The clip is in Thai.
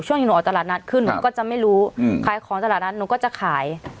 ที่หนูออกตลาดนัดขึ้นหนูก็จะไม่รู้ขายของตลาดนัดหนูก็จะขาย